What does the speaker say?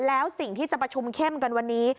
แล้วสิ่งที่จะประชุมเข้มกันวันนี้